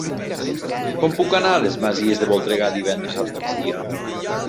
Com puc anar a les Masies de Voltregà divendres al migdia?